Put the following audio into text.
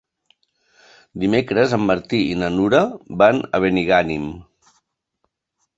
Dimecres en Martí i na Nura van a Benigànim.